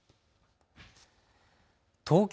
東京